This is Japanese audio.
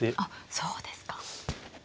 そうですか。